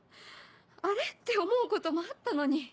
あれ？って思うこともあったのに。